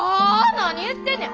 何言ってんねん。